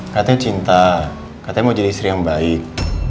katanya cinta katanya mau jadi istri yang baik